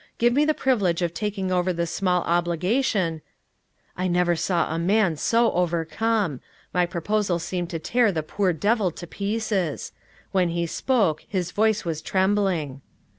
Give me the privilege of taking over this small obligation " I never saw a man so overcome. My proposal seemed to tear the poor devil to pieces. When he spoke his voice was trembling.